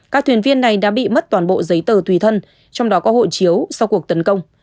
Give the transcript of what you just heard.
các thuyền viên này đã bị mất toàn bộ giấy tờ tùy thân trong đó có hộ chiếu sau cuộc tấn công